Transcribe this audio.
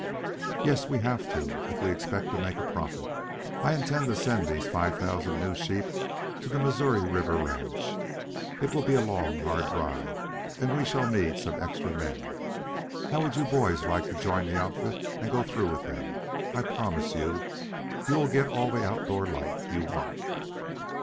"Yes, we have to if we expect to make a profit. I intend to send these five thousand new sheep to the Missouri River ranch. It will be a long, hard drive and we shall need some extra men. How would you boys like to join the outfit and go through with them? I promise you you will get all the outdoor life you want."